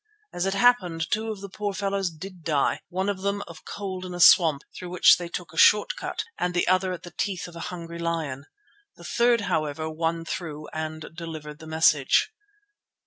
As it happened two of the poor fellows did die, one of them of cold in a swamp through which they took a short cut, and the other at the teeth of a hungry lion. The third, however, won through and delivered the message.